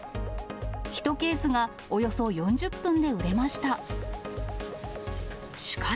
１ケースがおよそ４０分で売れました。